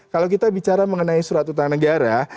kalau kita bicara mengenai surat utang negara